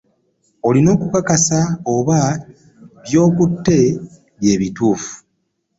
Olina okukakasa oba by'otutte bye bituufu.